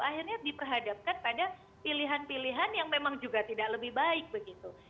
akhirnya diperhadapkan pada pilihan pilihan yang memang juga tidak lebih baik begitu